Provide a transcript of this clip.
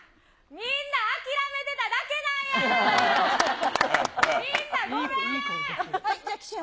みんな諦めてただけなんや！